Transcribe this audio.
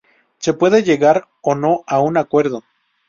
Se puede llegar o no a un acuerdo.